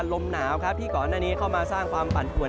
ลมหนาวครับที่ก่อนหน้านี้เข้ามาสร้างความปั่นป่วน